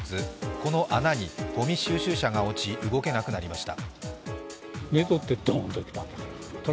この穴にごみ収集車が落ち、動けなくなりました。